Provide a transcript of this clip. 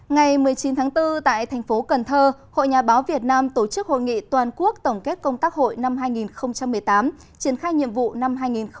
ngày một mươi chín tháng bốn tại thành phố cần thơ hội nhà báo việt nam tổ chức hội nghị toàn quốc tổng kết công tác hội năm hai nghìn một mươi tám triển khai nhiệm vụ năm hai nghìn một mươi chín